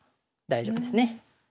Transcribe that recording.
大丈夫ですね。